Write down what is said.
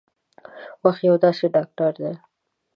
وخت یو داسې ډاکټر دی